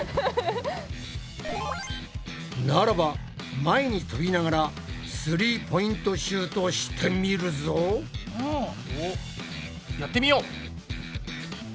ならば前にとびながらスリーポイントシュートしてみるぞ。やってみよう！